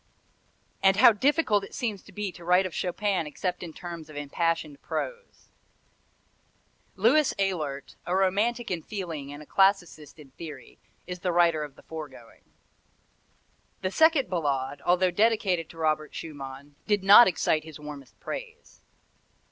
And how difficult it seems to be to write of Chopin except in terms of impassioned prose! Louis Ehlert, a romantic in feeling and a classicist in theory, is the writer of the foregoing. The second Ballade, although dedicated to Robert Schumann, did not excite his warmest praise.